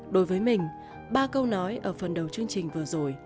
đối với mình ba câu nói ở phần đầu chương trình vừa rồi